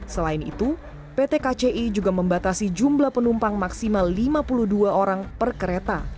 selain itu pt kci juga membatasi jumlah penumpang maksimal lima puluh dua orang per kereta